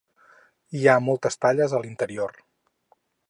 Hi ha moltes talles a l'interior.